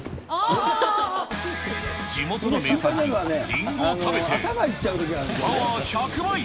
地元の名産品、りんごを食べてパワー１００倍。